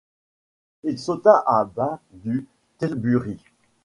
Il sauta à bas du tilbury.